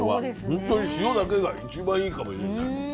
本当に塩だけが一番いいかもしんない。